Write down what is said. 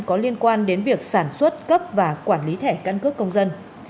có liên quan đến việc sản xuất cấp và quản lý thẻ căn cước công dân